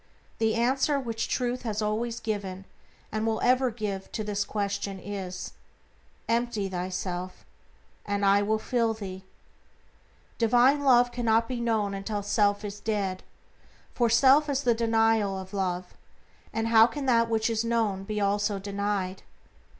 The answer which Truth has always given, and will ever give to this question is, "Empty thyself, and I will fill thee." Divine Love cannot be known until self is dead, for self is the denial of Love, and how can that which is known be also denied?